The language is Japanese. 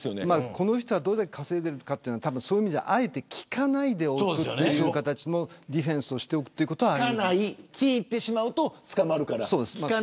この人が、どれだけ稼いでいるかというのはあえて聞かないでおくという形もディフェンスをしておくことはある。